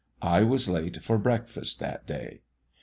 I was late for breakfast that day.